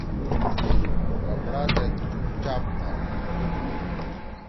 کپڑا زید چاپ تھل۔